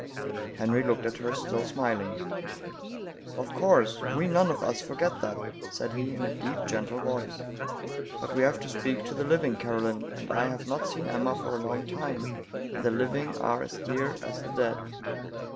Henry looked at her, still smiling. " Of course, we none of us forget that," said he, in a deep, gentle voice, " but we have to speak to the living, Caroline, and I have not seen Emma for a long time, and the living are as dear as the dead."